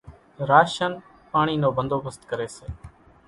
راشنَ پاڻِي نو ڀنڌوڀست ڪريَ سي۔